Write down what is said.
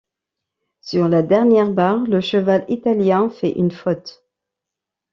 Sur la dernière barre, le cheval italien fait une faute.